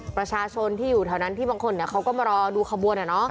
ประชาชนที่อยู่แถวนั้นที่บางคนเขาก็มารอดูขบวน